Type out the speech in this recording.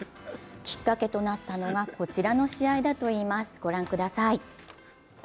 きっかけとなったのが、こちらの試合だといいます。